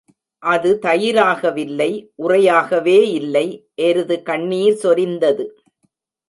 அது தயிராக வில்லை உறையாகவேஇல்லை எருது கண்ணிர் சொரிந்தது.